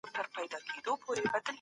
دلته د فرد او ټولني اړيکي قوي نه دي.